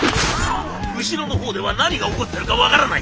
後ろの方では何が起こってるか分からない！